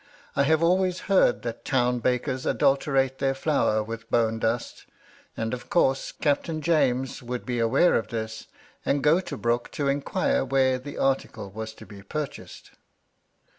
I have always heard that town bakers adulterate their flour with bone dust ; and, of course. Captain James would be aware of this, and go to Brooke to inquire where the article was to be purchased."